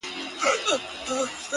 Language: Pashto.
که آرام غواړې د ژوند احترام وکړه